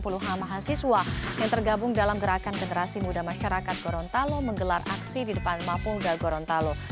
puluhan mahasiswa yang tergabung dalam gerakan generasi muda masyarakat gorontalo menggelar aksi di depan mapolda gorontalo